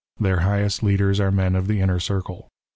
Their highest leaders are men of the ' Inner Circle."